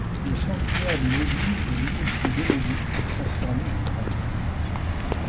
Le sanctuaire de l’église est lui aussi démoli et transformé en grange.